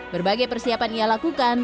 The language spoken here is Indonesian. berbagai persiapan ia lakukan